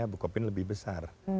bank bukopin lebih besar